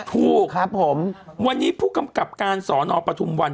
ถูกครับผมวันนี้ผู้กำกับการสอนอปทุมวัน